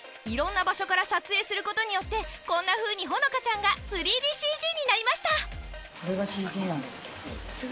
いろんな場所から撮影することによってこんなふうにホノカちゃんが３ＤＣＧになりました！